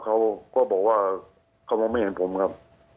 เขาก็บอกว่าเขามองไม่เห็นผมครับ